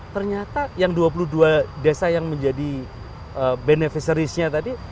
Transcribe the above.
ternyata yang dua puluh dua desa yang menjadi beneficerisnya tadi